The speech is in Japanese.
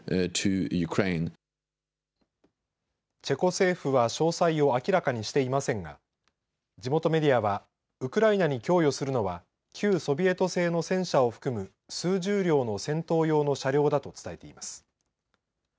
チェコ政府は詳細を明らかにしていませんが地元メディアはウクライナに供与するのは旧ソビエト製の戦車を含む数十両の戦闘用の車両だと伝えています。